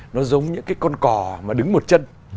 nó giống những cái con cò mà đứng một chân